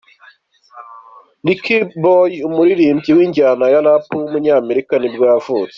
Rich Boy, umuririmbyi w’injyana ya Rap w’umunyamerika nibwo yavutse.